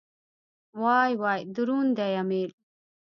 وای وای دروند دی امېل.